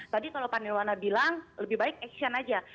tadi kalau pak nirwana bilang lebih baik action aja